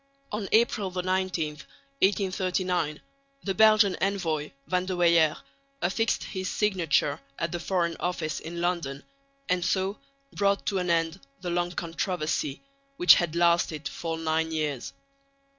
On April 19, 1839, the Belgian envoy, Van de Weyer, affixed his signature at the Foreign Office in London and so brought to an end the long controversy, which had lasted for nine years.